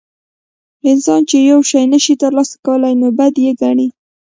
انسان چې یو شی نشي ترلاسه کولی نو بد یې ګڼي.